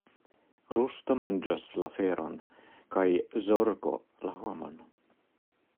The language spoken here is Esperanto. Rusto manĝas la feron, kaj zorgo la homon.